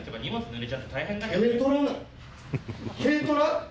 軽トラ？